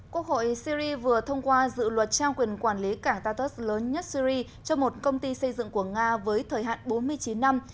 quốc hội syri vừa thông qua dự luật trao quyền quản lý cảng tartus lớn nhất syri cho một công ty xây dựng của nga với thời hạn bốn mươi chín năm